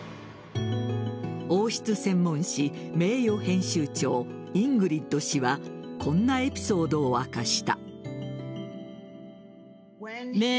王室専門誌・名誉編集長イングリッド氏はこんなエピソードを明かした。